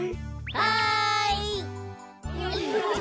はい！